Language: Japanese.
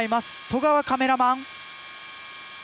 十川カメラマン。